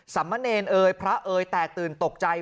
สัมเมินเอยพระเอยแตกตื่นตกใจ